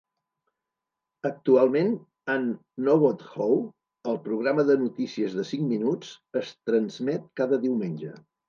Actualment, An Nowodhow, el programa de notícies de cinc minuts, es transmet cada diumenge.